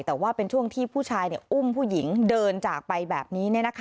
แต่ว่าเป็นช่วงที่ผู้ชายอุ้มผู้หญิงเดินจากไปแบบนี้